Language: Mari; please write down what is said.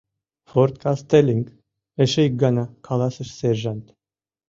— Форт Кастеллинг, — эше ик гана каласыш сержант.